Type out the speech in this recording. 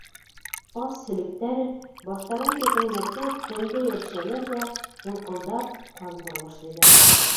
Ас һөлөктәр, баштарын кәкәңләтеп, тәнгә йәбешәләр ҙә, һулҡылдап, ҡан һура башлайҙар.